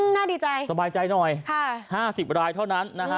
น่าดีใจสบายใจหน่อย๕๐รายเท่านั้นนะฮะ